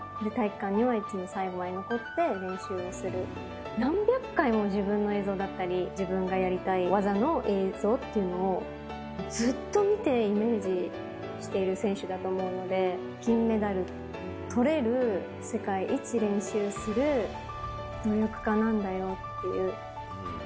体育館には、いつも最後まで残って練習をする、何百回も自分の映像だったり、自分がやりたい技の映像っていうのをずっと見てイメージしている選手だと思うので、金メダルとれる世界一練習する努力家なんだよっていう。